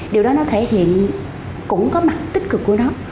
điều đó nó thể hiện cũng có mặt tích cực của nó